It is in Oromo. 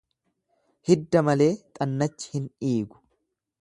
Hidda malee xannachi hin dhigu.